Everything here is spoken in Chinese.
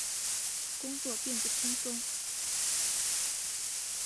工作并不轻松